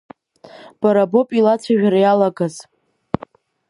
Бара боуп илацәажәара иалагаз.